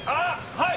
はい！